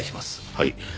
はい。